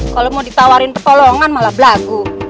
kalau mau ditawarin pertolongan malah belagu